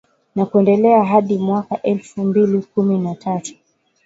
na kuendelea hadi mwaka elfu mbili kumi na tatu